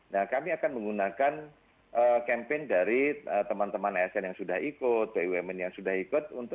nah kami akan menggunakan campaign dari teman teman asn yang sudah ikut bumn yang sudah ikut